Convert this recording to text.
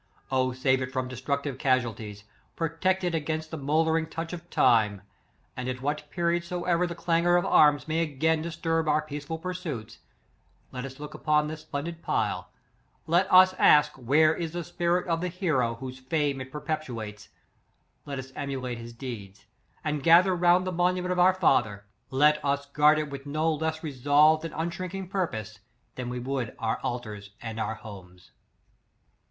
O save it from destructive casualties; protect it against the moulder ing touch of time; anti at what period so ever the clangour of arms may again dis turb our peaceful pursuits, let us look on this splendid pile; let us ask, where is the spirit of the hero whose fame it perpetu ates; let us emulate his deeds, and gather round the monument of our father; let us guard it with a no less resolved and un shrinking purpose than we would our aL tars and our homes!